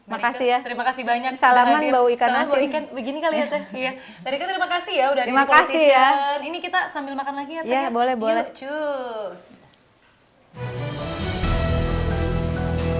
terima kasih banyak